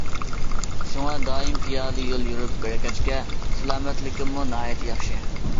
شۇڭا دائىم پىيادە يول يۈرۈپ بەرگەچكە، سالامەتلىكىممۇ ناھايىتى ياخشى.